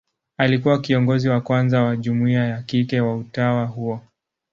Alikuwa kiongozi wa kwanza wa jumuia ya kike wa utawa huo.